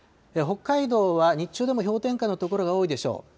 北海道は日中でも氷点下の所が多いでしょう。